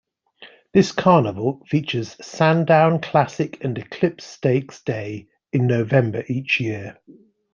This carnival features Sandown Classic and Eclipse Stakes Day in November each year.